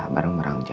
bareng orang jahat